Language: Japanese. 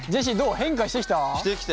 変化してきた？